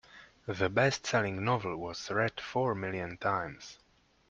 The bestselling novel was read four million times.